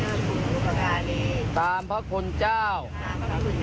สัมปเวศีวิญญาณเล่ลอนทั้งหลาย